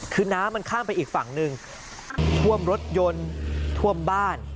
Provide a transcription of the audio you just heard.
คือน้ำมันข้ามไปอีกฝั่งหนึ่งท่วมรถยนต์ท่วมบ้าน